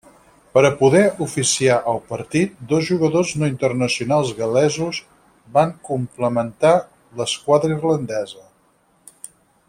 Per a poder oficiar el partit, dos jugadors no internacionals gal·lesos van complementar l'esquadra irlandesa.